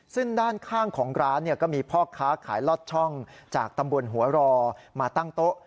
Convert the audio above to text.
ซึ่งด้านข้างของร้านก็มีพ่อค้าขายลอดช่องจากตำบลหัวรอมาตั้งโต๊ะ